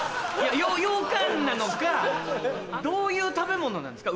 ようかんなのかどういう食べ物なんですか？